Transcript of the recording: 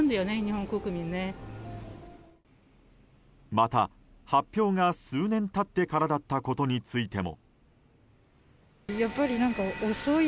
また、発表が数年経ってからだったことについても。